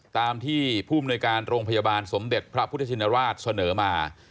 ตามที่ผู้มนุยการโรงพยาบาลสมเด็จพระพุทธชินราชเสนอมา